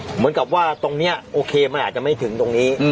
เหมือนกับว่าตรงนี้โอเคมันอาจจะไม่ถึงตรงนี้